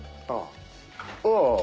あっ。